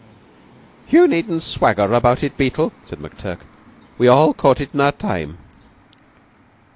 "You needn't swagger about it, Beetle," said McTurk. "We all caught it in our time."